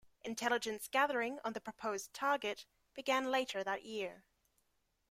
Intelligence gathering on the proposed target began later that year.